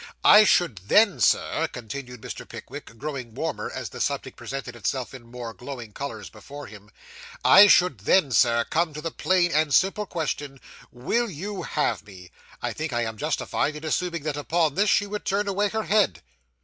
'I should then, Sir,' continued Mr. Pickwick, growing warmer as the subject presented itself in more glowing colours before him 'I should then, Sir, come to the plain and simple question, "Will you have me?" I think I am justified in assuming that upon this, she would turn away her head.